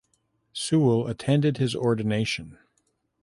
Sewall attended his ordination.